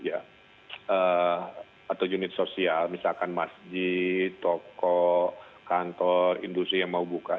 atau unit sosial misalkan masjid toko kantor industri yang mau buka